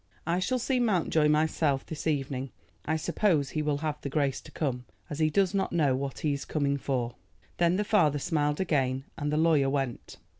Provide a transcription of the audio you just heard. I shall see Mountjoy myself this evening. I suppose he will have the grace to come, as he does not know what he is coming for." Then the father smiled again, and the lawyer went.